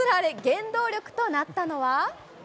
原動力となったのは。